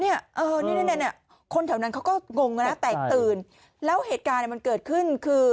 นี่คนแถวนั้นเขาก็งงนะแตกตื่นแล้วเหตุการณ์มันเกิดขึ้นคือ